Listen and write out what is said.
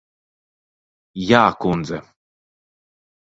Jā, kundze.